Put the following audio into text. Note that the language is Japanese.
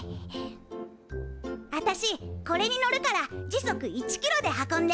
あたしこれに乗るから時速１キロで運んで！